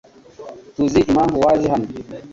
Tuzi impamvu waje hano .